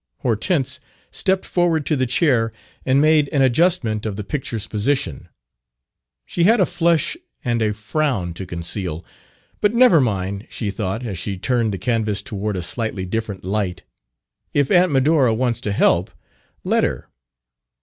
Hortense stepped forward to the chair and made an adjustment of the picture's position: she had a flush and a frown to conceal. "But never mind," she thought, as she turned the canvas toward a slightly different light; "if Aunt Medora wants to help, let her."